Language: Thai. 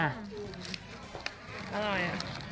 อร่อย